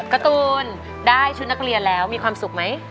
การ์ตูนได้ชุดนักเรียนแล้วมีความสุขไหม